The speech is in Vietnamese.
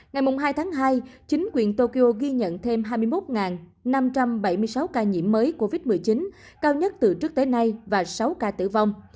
ngày hai tháng hai chính quyền tokyo ghi nhận thêm hai mươi một năm trăm bảy mươi sáu ca nhiễm mới covid một mươi chín cao nhất từ trước tới nay và sáu ca tử vong